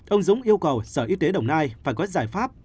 ông dũng yêu cầu sở y tế đồng nai phải có giải pháp